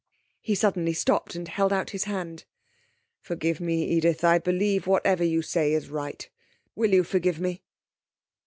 He suddenly stopped, and held out his hand. 'Forgive me, Edith. I believe whatever you say is right. Will you forgive me?'